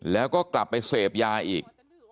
แล้วก็กลับไปเสพยาอีก